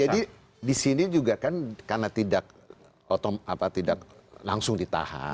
jadi di sini juga kan karena tidak langsung ditahan